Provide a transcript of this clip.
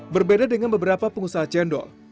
berbeda dengan beberapa pengusaha cendol